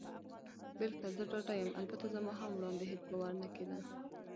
بلکل، زه ډاډه یم. البته زما هم وړاندې هېڅ باور نه کېده.